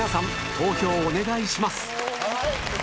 投票お願いしますはい。